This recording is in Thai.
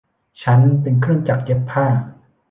ฉันเป็นเครื่องจักรเย็บผ้า